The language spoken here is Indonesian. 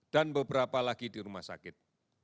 dan beberapa lagi di rumah sakit